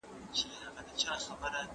د هېواد روښانه راتلونکی په تعلیم کي دی.